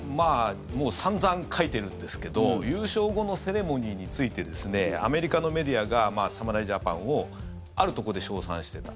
もう散々書いてるんですけど優勝後のセレモニーについてアメリカのメディアが侍ジャパンをあるところで称賛してた。